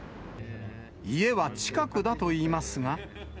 家は近くだといいますが。